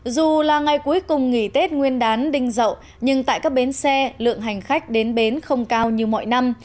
dù là ngày cuối cùng nghỉ tết nguyên đán đinh rậu nhưng tại các bến xe lượng hành khách đến bến không cao như mọi năm